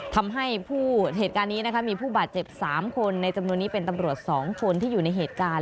ทำให้ผู้เหตุการณ์นี้นะคะมีผู้บาดเจ็บ๓คนในจำนวนนี้เป็นตำรวจ๒คนที่อยู่ในเหตุการณ์